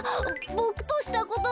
ボクとしたことが。